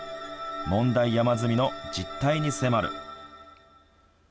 問題山積みの実態に迫る。